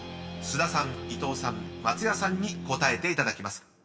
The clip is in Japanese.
［菅田さん伊藤さん松也さんに答えていただきます］